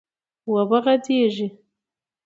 و به غځېږي،